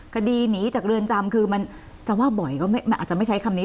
คดีหนีจากเรือนจำคือมันจะว่าบ่อยก็อาจจะไม่ใช้คำนี้